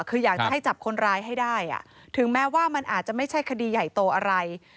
คืออยากจะให้จับคนร้ายให้ได้ถึงแม้ว่ามันอาจจะไม่ใช่คดีใหญ่โตอะไร